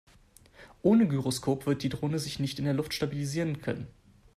Ohne Gyroskop wird die Drohne sich nicht in der Luft stabilisieren können.